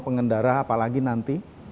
pengendara apalagi nanti